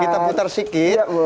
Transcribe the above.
kita putar sikit